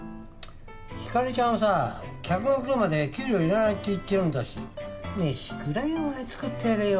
ひかりちゃんはさ客が来るまで給料いらないって言ってるんだし飯くらいは作ってやれよ。